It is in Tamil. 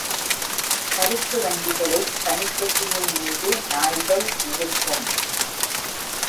சறுக்கு வண்டிகளைப் பனிக்கட்டியின் மீது நாய்கள் இழுக்கும்.